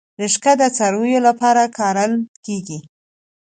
رشقه د څارویو لپاره کرل کیږي